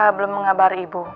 saya belum mengabari bu